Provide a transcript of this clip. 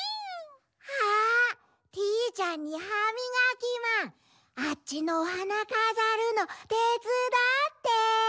あティーちゃんにハミガキマンあっちのおはなかざるのてつだって。